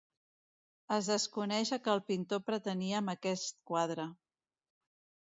Es desconeix el que el pintor pretenia amb aquest quadre.